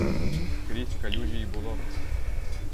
Скрізь калюжі і болото.